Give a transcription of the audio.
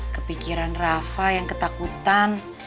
kepikiran rafa yang ketakutan